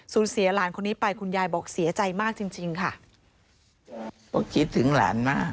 สูญเสียหลานคนนี้ไปคุณยายบอกเสียใจมากจริงค่ะ